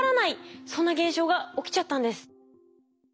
そんな現象が起きちゃったんです。